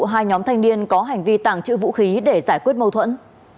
hai nhóm thanh niên có hành vi tàng trữ vũ khí để giải quyết mâu thuẫn